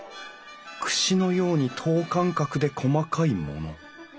くしのように等間隔で細かいもの。